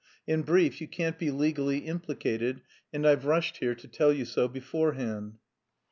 in brief, you can't be legally implicated and I've rushed here to tell you so beforehand."